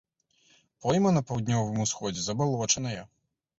Пойма на паўднёвым усходзе забалочаная.